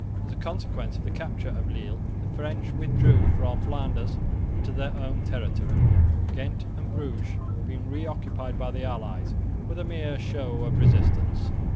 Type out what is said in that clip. As a consequence of the capture of Lille, the French withdrew from Flanders into their own territory, Ghent and Bruges being re occupied by the allies with a mere show of resistance.